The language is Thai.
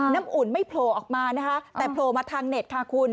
อุ่นไม่โผล่ออกมานะคะแต่โผล่มาทางเน็ตค่ะคุณ